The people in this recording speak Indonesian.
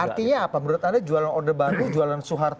artinya apa menurut anda jualan orde baru jualan soeharto